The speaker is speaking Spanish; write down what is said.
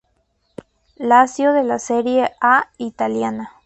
Lazio de la Serie A italiana.